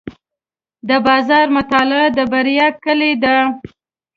د بازار مطالعه د بریا کلي ده.